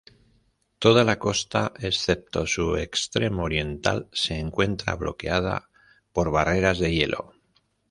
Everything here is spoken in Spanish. Toda la costa excepto su extremo oriental, se encuentra bloqueada por barreras de hielo.